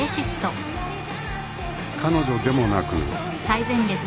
［彼女でもなく］